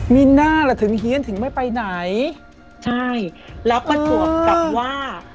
มีน่าล่ะถึงเฮียนถึงไม่ไปไหนใช่แล้วประจวบกับว่า